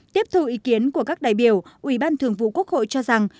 tiếp thu ý kiến của các đại biểu ủy ban thường vụ quốc hội cho rằng